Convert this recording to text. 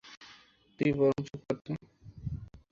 তুই বরং চুপ কর তো।